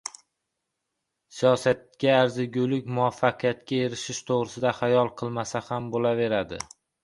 siyosatda arzigulik muvaffaqiyatga erishish to‘g‘risida xayol qilmasa ham bo‘laveradi.